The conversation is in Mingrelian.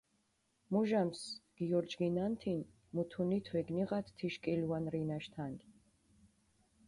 მუჟამს გიორჯგინანთინ, მუთუნით ვეგნიღათ თიშ კილუან რინაშ თანგი.